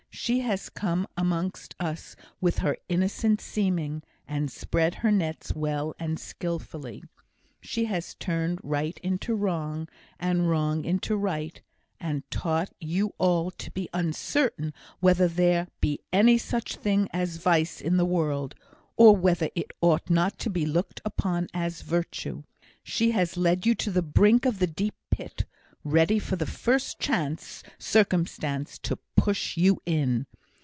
She has come amongst us with her innocent seeming, and spread her nets well and skilfully. She has turned right into wrong, and wrong into right, and taught you all to be uncertain whether there be any such thing as Vice in the world, or whether it ought not to be looked upon as Virtue. She has led you to the brink of the deep pit, ready for the first chance circumstance to push you in.